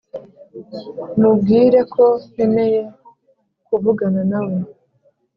mubwire ko nkeneye kuvugana nawe.